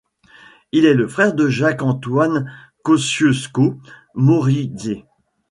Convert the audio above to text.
Il est le frère de Jacques-Antoine Kosciusko-Morizet.